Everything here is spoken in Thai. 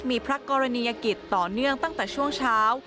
มีพระกรณียกิจต่อเนื่องตั้งแต่ช่วงเช้า